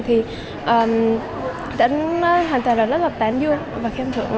thì đã hoàn toàn là rất là tán dương và khen thượng